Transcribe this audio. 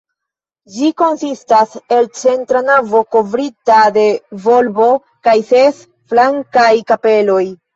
Ĝi konsistas el centra navo kovrita de volbo kaj ses flankaj kapeloj.